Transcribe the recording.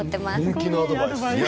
本気のアドバイス。